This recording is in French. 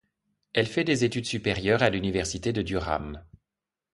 Elle fait des études supérieures à l'Université de Durham.